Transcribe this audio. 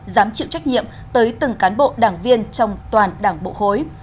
dám chịu trách nhiệm tới từng cán bộ đảng viên trong toàn đảng bộ khối